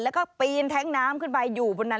แล้วก็ปีนแท้งน้ำขึ้นไปอยู่บนนั้น